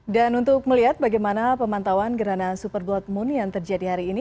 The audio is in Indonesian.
dan untuk melihat bagaimana pemantauan gerhana super blood moon yang terjadi hari ini